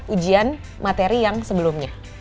ujian materi yang sebelumnya